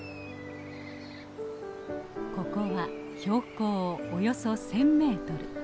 ここは標高およそ１，０００メートル。